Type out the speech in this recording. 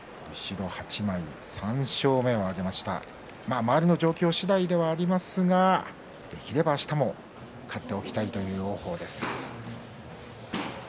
周りの状況次第ではありますができれば明日勝っておきたい王鵬です。